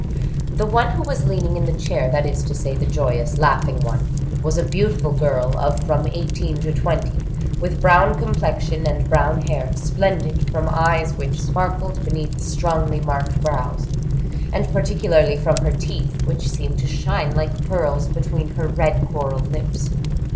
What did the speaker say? The one who was leaning in the chair—that is to say, the joyous, laughing one—was a beautiful girl of from eighteen to twenty, with brown complexion and brown hair, splendid, from eyes which sparkled beneath strongly marked brows, and particularly from her teeth, which seemed to shine like pearls between her red coral lips.